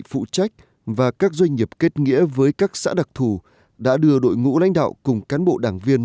phụ trách và các doanh nghiệp kết nghĩa với các xã đặc thù đã đưa đội ngũ lãnh đạo cùng cán bộ đảng viên